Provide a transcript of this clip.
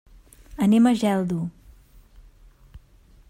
Anem a Geldo.